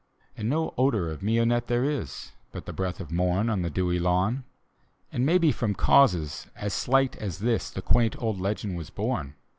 And no odor of mignonette there is, But the breath of morn on the dewy lawn; And maybe from causes as slight as this The quaint old legend was born.